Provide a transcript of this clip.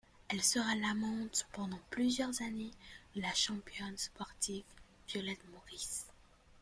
Elle sera l'amante pendant plusieurs années de la championne sportive Violette Morris.